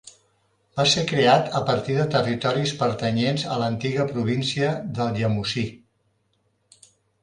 Va ser creat a partir de territoris pertanyents a l'antiga província del Llemosí.